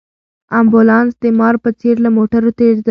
امبولانس د مار په څېر له موټرو تېرېده.